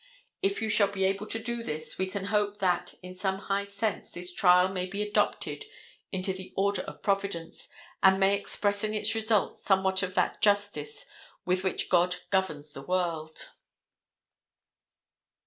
If you shall be able to do this, we can hope that, in some high sense, this trial may be adopted into the order of providence, and may express in its results somewhat of that justice with which God governs the world."